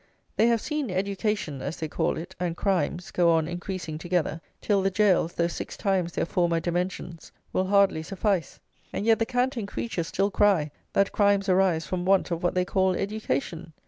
They have seen "education," as they call it, and crimes, go on increasing together, till the gaols, though six times their former dimensions, will hardly suffice; and yet the canting creatures still cry that crimes arise from want of what they call "education!"